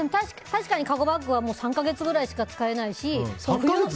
確かにカゴバッグは３か月ぐらいしか使えないし。